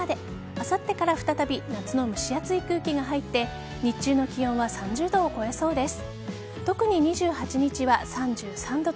あさってから再び夏の蒸し暑い空気が入って日中の気温は３０度を超えそうです。